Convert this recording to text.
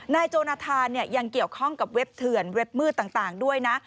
โจนทานยังเกี่ยวข้องกับเว็บเถื่อนเว็บมืดต่างด้วยนะ